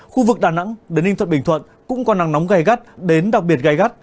khu vực đà nẵng đến ninh thuận bình thuận cũng có nắng nóng gai gắt đến đặc biệt gai gắt